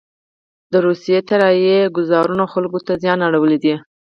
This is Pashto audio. دروسیې الوتکوهوایي ګوزارونوخلکو ته زیان اړولی دی.